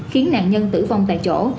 khiến nạn nhân tử vong tại chỗ